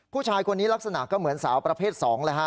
ผู้ชายคนนี้ลักษณะก็เหมือนสาวประเภท๒เลยฮะ